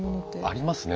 ありますね。